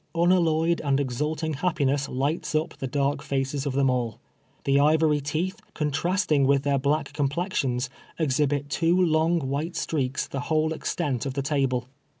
Unalloyed and exulting liappiness lights up the dark faces of them all. The ivory teeth, contrasting with their black complexions, exhibit two long, white streaks the whole extent of the table.